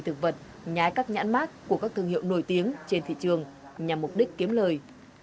thuốc bảo vệ thực vật nhái các nhãn mác của các thương hiệu nổi tiếng trên thị trường nhằm mục đích kiếm lời